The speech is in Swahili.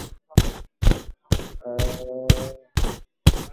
kuwa kwaNjia mojawapo kati ya nyinginezo za kutibiwa ni ile